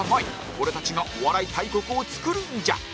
俺たちがお笑い大国を作るんじゃ！